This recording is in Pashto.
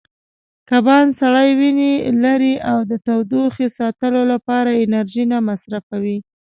کبان سړې وینې لري او د تودوخې ساتلو لپاره انرژي نه مصرفوي.